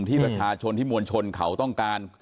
ที่ประชาชนที่มวลชนเขาต้องการ